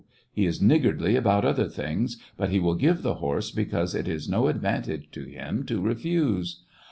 He is niggardly about other things, but he will give the horse because it is no advantage to him to refuse."